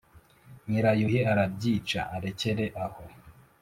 Nyirayuhi arabyica, arekere aho